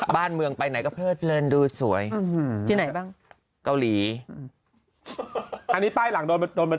บ้านเมืองไปไหนก็เพลิดเลินดูสวยที่ไหนบ้างเกาหลีอืมอันนี้ป้ายหลังโดนมา